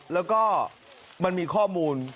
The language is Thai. แล้วก็มันมีข้อมูล